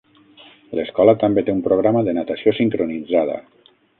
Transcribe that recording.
L'escola també té un programa de natació sincronitzada.